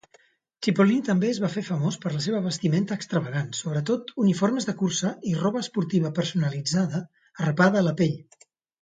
Cipollini també es va fer famós per la seva vestimenta extravagant, sobretot uniformes de cursa i roba esportiva personalitzada arrapada a la pell.